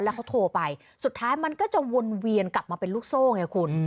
แล้วเขาโทรไปสุดท้ายมันก็จะวนเวียนกลับมาเป็นลูกโซ่ไงคุณ